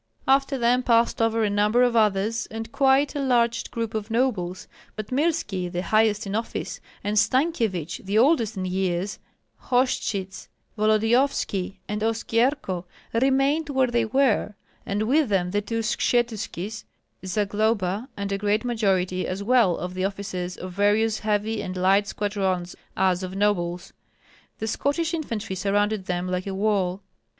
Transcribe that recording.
After them passed over a number of others, and quite a large group of nobles; but Mirski, the highest in office, and Stankyevich, the oldest in years, Hoshchyts, Volodyovski, and Oskyerko remained where they were, and with them the two Skshetuskis, Zagloba, and a great majority as well of the officers of various heavy and light squadrons as of nobles. The Scottish infantry surrounded them like a wall.